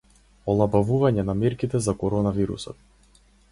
Олабавување на мерките за коронавирусот